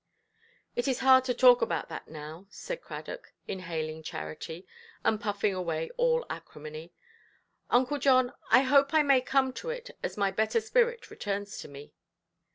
"It is hard to talk about that now", said Cradock, inhaling charity, and puffing away all acrimony; "Uncle John, I hope I may come to it as my better spirit returns to me".